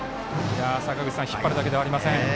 引っ張るだけではありません。